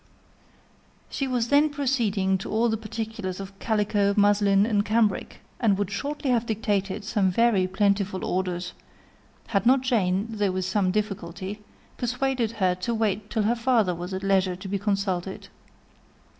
She was then proceeding to all the particulars of calico, muslin, and cambric, and would shortly have dictated some very plentiful orders, had not Jane, though with some difficulty, persuaded her to wait till her father was at leisure to be consulted.